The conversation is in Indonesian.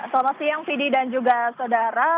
selamat siang fidi dan juga saudara